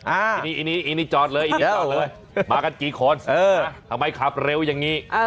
อันนี้จอดเลยมากันกี่คนทำไมขับเร็วยังนี้